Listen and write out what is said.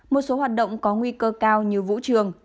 một số hoạt động có nguy cơ cao như vũ trường